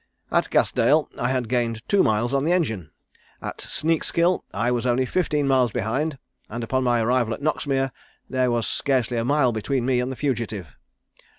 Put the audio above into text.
At Gasdale I had gained two miles on the engine, at Sneakskill I was only fifteen miles behind, and upon my arrival at Noxmere there was scarcely a mile between me and the fugitive.